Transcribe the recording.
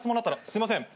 すいません。